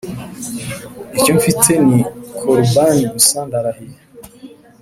icyo mfite ni korubani gusa ndarahiye